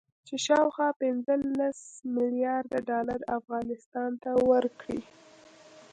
چې شاوخوا پنځلس مليارده ډالر افغانستان ته ورکړي